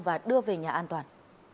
và đưa về nhà an toàn